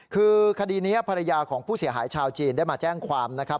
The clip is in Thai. คือคดีนี้ภรรยาของผู้เสียหายชาวจีนได้มาแจ้งความนะครับ